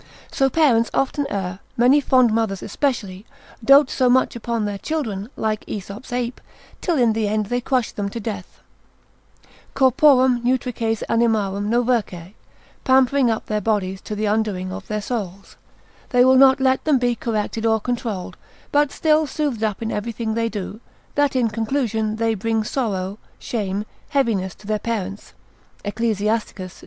So parents often err, many fond mothers especially, dote so much upon their children, like Aesop's ape, till in the end they crush them to death, Corporum nutrices animarum novercae, pampering up their bodies to the undoing of their souls: they will not let them be corrected or controlled, but still soothed up in everything they do, that in conclusion they bring sorrow, shame, heaviness to their parents (Ecclus.